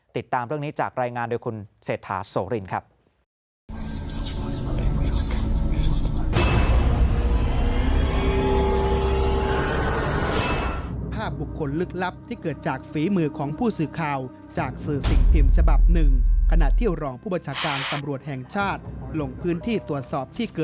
ติดตามเรื่องนี้จากรายงานโดยคุณเศรษฐาโสรินครับ